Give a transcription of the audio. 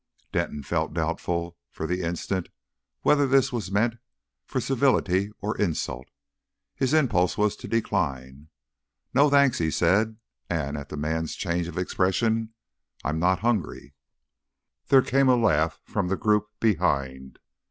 Denton felt doubtful for the instant whether this was meant for civility or insult. His impulse was to decline. "No, thanks," he said; and, at the man's change of expression, "I'm not hungry." There came a laugh from the group behind.